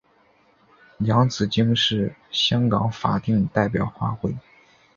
洋紫荆是香港法定代表花卉。